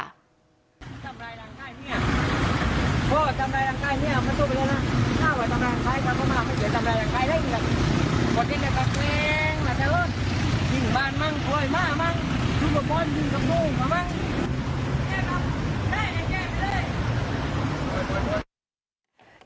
ฉุกบอกว่าบอร์ดคือพวกหนูมาแม่